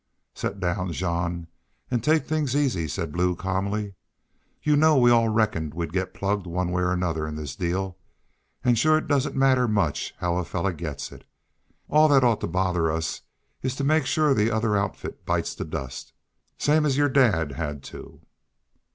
"Set down, Jean, an' take things easy," said Blue, calmly. "You know we all reckoned we'd git plugged one way or another in this deal. An' shore it doesn't matter much how a fellar gits it. All thet ought to bother us is to make shore the other outfit bites the dust same as your dad had to."